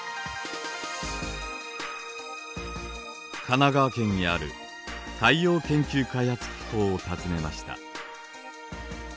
神奈川県にある海洋研究開発機構を訪ねました。